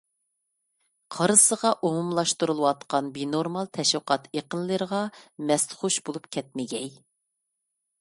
قارىسىغا ئومۇملاشتۇرۇلۇۋاتقان بىنورمال تەشۋىقات ئېقىنلىرىغا مەستخۇش بولۇپ كەتمىگەي.